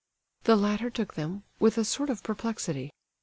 The latter took them, with a sort of perplexity.